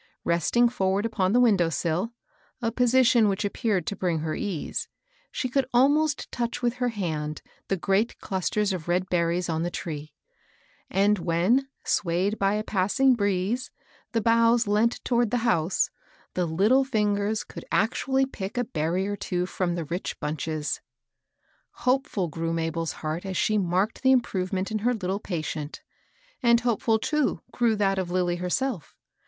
Resting forward upon the window sill, — a position which appeared to bring her ease, — she could almost touch with her hand the great clusters of red berries on the tr^e ; and when, swayed by a passing breeze, the boughs leant toward the house, the little fingers could act ually pick a berry or two from the rich bunches. Hopefiil grew Mabel's heart as she marked the improvement in her little patient ; and hope MINNIE. 113 fill, too, grew that of Lilly hergelf.